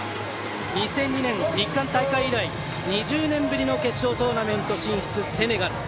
２００２年の日韓大会以来２０年ぶりの決勝トーナメント進出、セネガル。